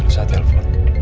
ya lu saat telepon